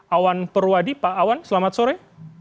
awan purwadi pak awan selamat sore